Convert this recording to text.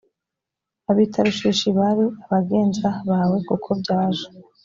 ab i tarushishi bari abagenza bawe kuko byaje